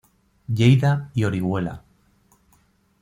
Lleida y Orihuela.